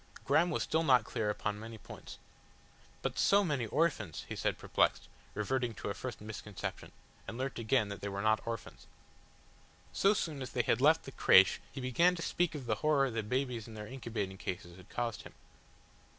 Graham was still not clear upon many points. "But so many orphans," he said perplexed, reverting to a first misconception, and learnt again that they were not orphans. So soon as they had left the crèche he began to speak of the horror the babies in their incubating cases had caused him.